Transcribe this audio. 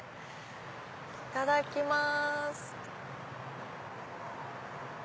いただきます。